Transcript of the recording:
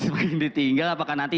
makin ditinggal apakah nanti